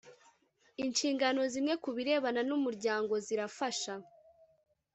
inshingano zimwe kubirebana n umuryango zirafasha